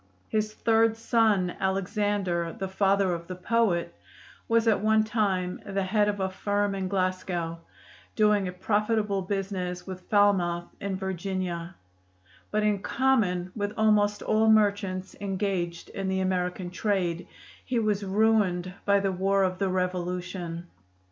His third son, Alexander, the father of the poet, was at one time the head of a firm in Glasgow, doing a profitable business with Falmouth in Virginia; but in common with almost all merchants engaged in the American trade, he was ruined by the War of the Revolution.